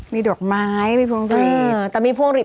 มีดอกไม้มีพวงหลีด